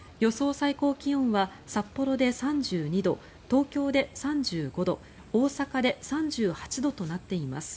最高気温は札幌で３２度東京で３５度大阪で３８度なっています。